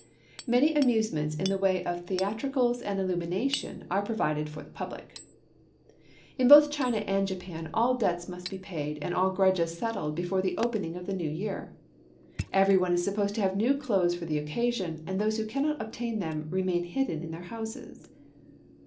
Many amusements in the way of theatricals and illumination are provided for the public. In both China and Japan, all debts must be paid and all grudges settled before the opening of the New Year. Every one is supposed to have new clothes for the occasion, and those who cannot obtain them remain hidden in their houses.